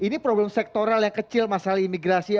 ini problem sektoral yang kecil masalah imigrasi